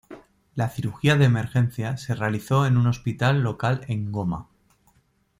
La cirugía de emergencia se realizó en un hospital local en Goma.